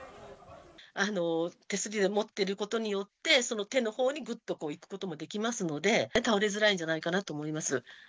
手すりを持っていることによって、その手のほうにぐっとこう、いくこともできますので、倒れづらいんじゃないかなと思います。